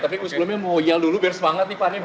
tapi sebelumnya mau ya dulu biar semangat nih pak